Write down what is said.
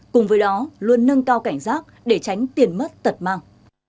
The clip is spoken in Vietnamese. cùng với đó luôn nâng cao cảnh giác để tránh tiền mất tật mang